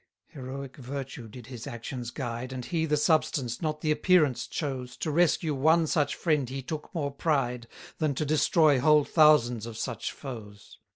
116 Heroic virtue did his actions guide, And he the substance, not the appearance chose To rescue one such friend he took more pride, Than to destroy whole thousands of such foes.